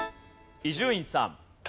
伊集院さん。